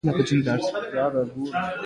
زموږ دفتر په کابل پوهنتون کې دی.